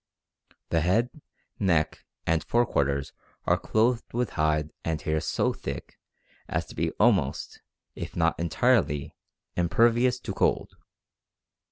The head, neck, and fore quarters are clothed with hide and hair so thick as to be almost, if not entirely, impervious to cold.